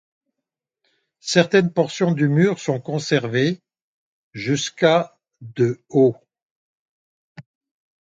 Certaines portions du mur sont conservées jusqu'à de haut.